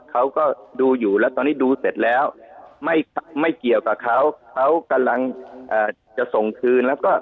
เขาก็ดูอยู่แล้วตอนนี้ดูเสร็จแล้วไม่เกี่ยวกับเขาเขากำลังจะส่งคืนแล้วก็